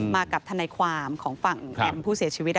มากับทนายความของฝั่งแอมผู้เสียชีวิต